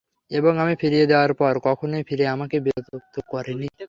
এবং আমি ফিরিয়ে দেয়ার পর কখনোই ফিরে আমাকে বিরক্ত করোনি।